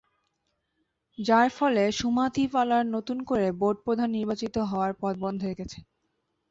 যার ফলে সুমাথিপালার নতুন করে বোর্ডপ্রধান নির্বাচিত হওয়ার পথ বন্ধ হয়ে গেছে।